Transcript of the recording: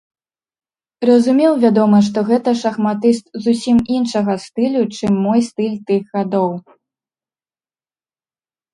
Разумеў, вядома, што гэта шахматыст зусім іншага стылю, чым мой стыль тых гадоў.